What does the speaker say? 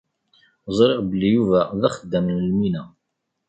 Ẓriɣ belli Yuba d axeddam n lmina.